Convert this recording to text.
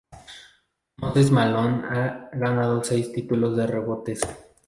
Moses Malone ha ganado seis títulos de rebotes.